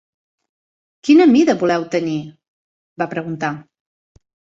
"Quina mida voleu tenir?" va preguntar.